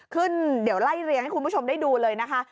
ขึ้นเดี๋ยวไล่เรียงให้คุณผู้ชมได้ดูเลยนะคะ